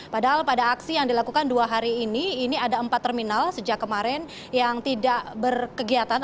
padahal pada aksi yang dilakukan dua hari ini ini ada empat terminal sejak kemarin yang tidak berkegiatan